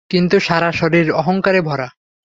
কিন্তু সারা শরীর অহংকারে ভরা।